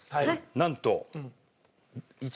なんと。